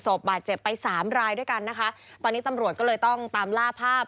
บาดเจ็บไปสามรายด้วยกันนะคะตอนนี้ตำรวจก็เลยต้องตามล่าภาพ